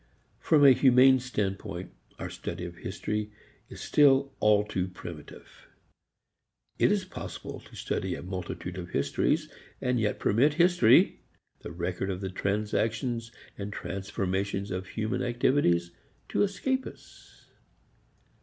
From a humane standpoint our study of history is still all too primitive. It is possible to study a multitude of histories, and yet permit history, the record of the transitions and transformations of human activities, to escape us.